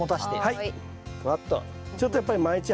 はい。